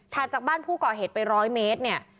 จากบ้านผู้ก่อเหตุไป๑๐๐เมตรเนี่ย